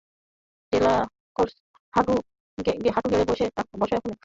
Delacorte, হাটু গেড়ে বসো, এক্ষুণি!